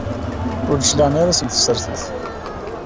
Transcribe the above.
Ur d-cliɛen ara seg tsertit.